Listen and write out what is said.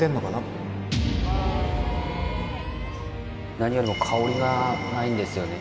何よりも香りがないんですよね